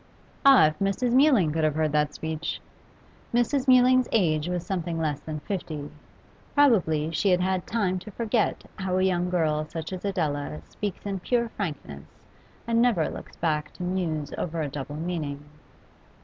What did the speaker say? Ah, if Mrs. Mewling could have heard that speech! Mrs. Mewling's age was something less than fifty; probably she had had time to forget how a young girl such as Adela speaks in pure frankness and never looks back to muse over a double meaning.